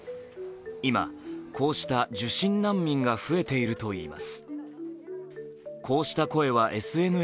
今こうした受診難民が増えているといいます。